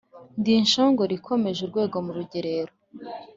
Ndi inshongore ikomeje urwego mu rugerero,